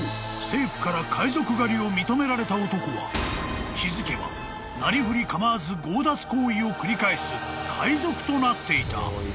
政府から海賊狩りを認められた男は気付けばなりふり構わず強奪行為を繰り返す海賊となっていた］